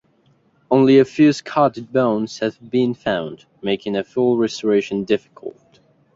Only a few scattered bones have been found, making a full restoration difficult.